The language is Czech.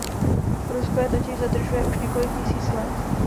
Rusko je totiž zadržuje už několik tisíc let.